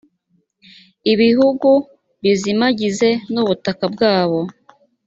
ibibugu bizimagize n ubutaka bwabo